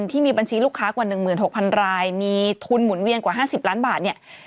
ที่มีบัญชีลูกค้ากว่า๑๖๐๐รายมีทุนหมุนเวียนกว่า๕๐ล้านบาทเนี่ย